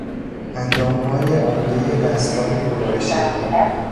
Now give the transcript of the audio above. اندامهای عمدهی دستگاه گوارشی